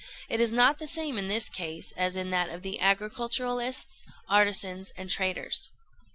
It is not the same in this case as in that of agriculturists, artisans, and traders."